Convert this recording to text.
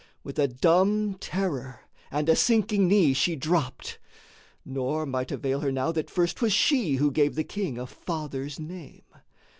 With a dumb terror and a sinking knee She dropped; nor might avail her now that first 'Twas she who gave the king a father's name.